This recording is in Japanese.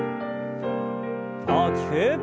大きく。